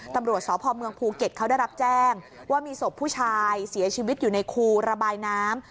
ตำรวจสพเมืองภูเก็ตเขาได้รับแจ้งว่ามีศพผู้ชายเสียชีวิตอยู่ในคูระบายน้ำ